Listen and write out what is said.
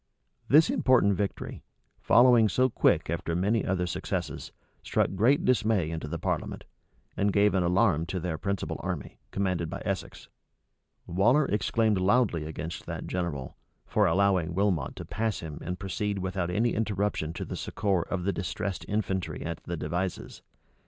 This important victory, following so quick after many other successes, struck great dismay into the parliament, and gave an alarm to their principal army, commanded by Essex. Waller exclaimed loudly against that general, for allowing Wilmot to pass him, and proceed without any interruption to the succor of the distressed infantry at the Devizes.